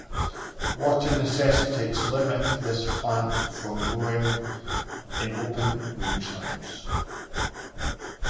Water necessities limit this plant from growing in open rangelands.